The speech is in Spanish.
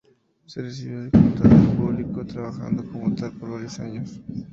Se recibió de contador público, trabajando como tal por varios años.